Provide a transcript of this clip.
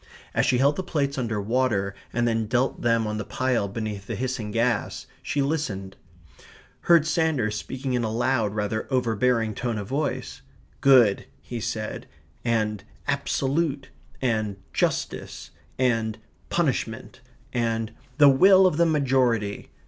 As she held the plates under water and then dealt them on the pile beneath the hissing gas, she listened: heard Sanders speaking in a loud rather overbearing tone of voice: "good," he said, and "absolute" and "justice" and "punishment," and "the will of the majority."